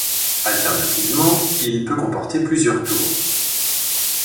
Alternativement, il peut comporter plusieurs tours.